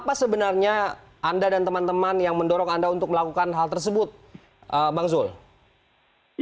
apa sebenarnya anda dan teman teman yang mendorong anda untuk melakukan hal tersebut bang zul